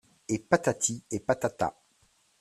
Et patati et patata.